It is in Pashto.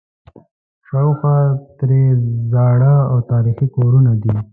شاوخوا ترې زاړه او تاریخي کورونه دي.